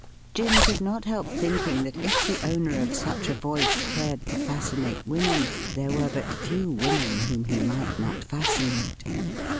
Jim could not help thinking that if the owner of such a voice cared to fascinate women there were but few women whom he might not fascinate.